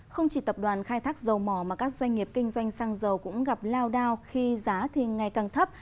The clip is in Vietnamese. không chỉ tập đoàn khai thác dầu mỏ mà các doanh nghiệp kinh doanh xăng dầu cũng gặp lao đao khi giá thì ngày càng thấp